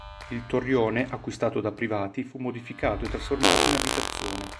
Il torrione, acquistato da privati, fu modificato e trasformato in abitazione.